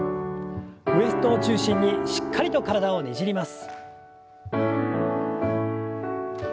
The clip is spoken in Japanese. ウエストを中心にしっかりと体をねじります。